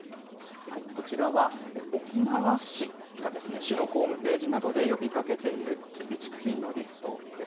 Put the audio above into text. こちらは、沖縄市が市のホームページなどで呼びかけている備蓄品のリストです。